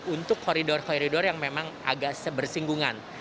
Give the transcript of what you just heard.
untuk koridor koridor yang memang agak sebersinggungan